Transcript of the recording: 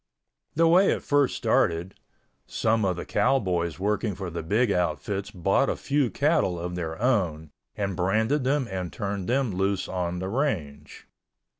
The way it first started, some of the cowboys working for the big outfits bought a few cattle of their own and branded them and turned them loose on the range.